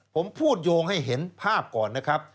ผมพูดโยงให้เห็นภาพก่อนนะครับ